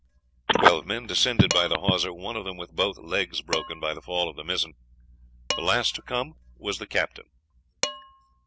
Twelve men descended by the hawser, one of them with both legs broken by the fall of the mizzen. The last to come was the captain.